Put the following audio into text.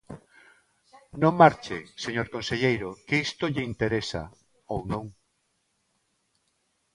Non marche, señor conselleiro, que isto lle interesa, ou non.